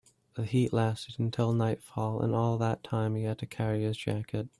The heat lasted until nightfall, and all that time he had to carry his jacket.